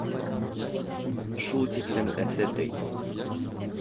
Шул тиклем эҫе, ти.